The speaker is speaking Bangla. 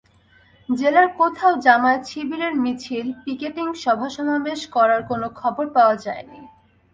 জেলার কোথাও জামায়াত-শিবিরের মিছিল, পিকেটিং সভা-সমাবেশ করার কোনো খবর পাওয়া যায়নি।